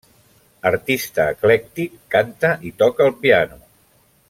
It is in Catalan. Artista eclèctic, canta i toca el piano.